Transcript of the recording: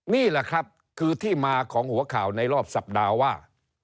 นี่แหละครับคือที่มาของหัวข่าวในรอบสัปดาห์ว่า